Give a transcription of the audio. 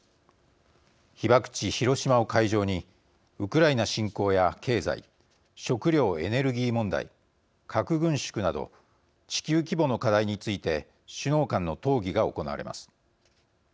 被爆地、広島を会場にウクライナ侵攻や経済食料・エネルギー問題核軍縮など地球規模の課題について首脳間の討議が行われます。